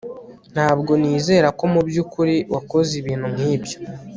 Ntabwo nizera ko mubyukuri wakoze ibintu nkibyo